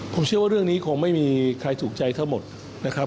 ผมเชื่อว่าเรื่องนี้คงไม่มีใครถูกใจทั้งหมดนะครับ